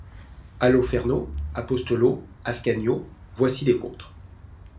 Oloferno, Apostolo, Ascanio, voici les vôtres!